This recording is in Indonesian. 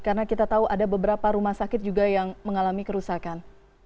karena kita tahu ada beberapa rumah sakit juga yang mengalami kerusakan